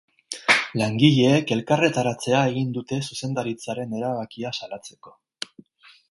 Langileek elkarretaratzea egin dute zuzendaritzaren erabakia salatzeko.